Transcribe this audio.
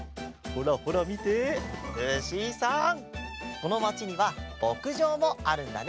このまちにはぼくじょうもあるんだね。